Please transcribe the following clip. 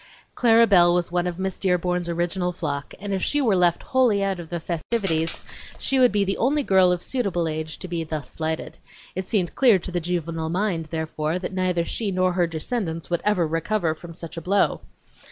Clara Belle was one of Miss Dearborn's original flock, and if she were left wholly out of the festivities she would be the only girl of suitable age to be thus slighted; it seemed clear to the juvenile mind, therefore, that neither she nor her descendants would ever recover from such a blow.